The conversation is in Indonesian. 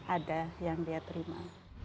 ada yang dia terima